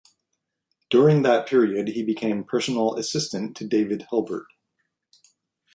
During that period he became personal assistant to David Hilbert.